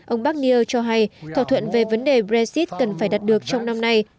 ông barnier cho hay thỏa thuận về vấn đề brexit cần phải đạt được trong năm nay